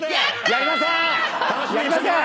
やりません！